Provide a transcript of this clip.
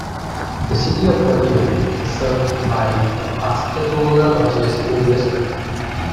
The City of Gautier is served by the Pascagoula-Gautier School District.